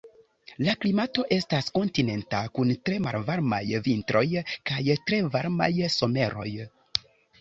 La klimato estas kontinenta kun tre malvarmaj vintroj kaj tre varmaj someroj.